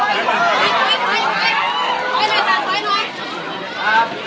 ไปเลยไปเลย